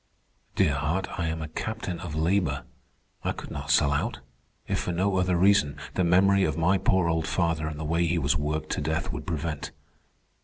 Dear heart, I am a captain of labor. I could not sell out. If for no other reason, the memory of my poor old father and the way he was worked to death would prevent."